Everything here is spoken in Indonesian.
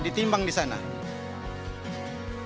jadi kita bisa mengambil uang dari sana